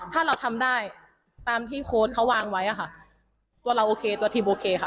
ถ้าเราทำได้ตามที่โค้ดเขาวางไว้อะค่ะตัวเราโอเคตัวทีมโอเคค่ะ